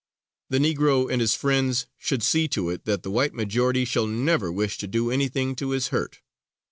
The Negro and his friends should see to it that the white majority shall never wish to do anything to his hurt.